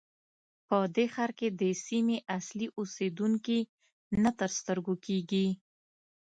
په دې ښار کې د سیمې اصلي اوسېدونکي نه تر سترګو کېږي.